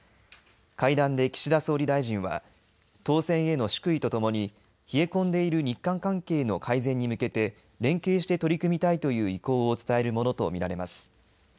会談で岸田総理大臣は当選への祝意とともに冷え込んでいる日韓関係の改善に向けて連携して取り組みたいという意向を伝えるものと見られます。